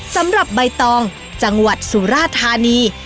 สำหรับใบตองจังหวัดสุราธานี